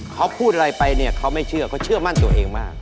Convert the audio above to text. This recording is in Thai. เขาพูดอะไรไปเนี่ยเขาไม่เชื่อเขาเชื่อมั่นตัวเองมาก